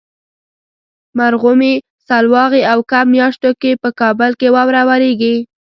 مرغومي ، سلواغې او کب میاشتو کې په کابل کې واوره وریږي.